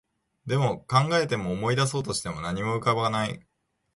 でも、考えても、思い出そうとしても、何も思い浮かばない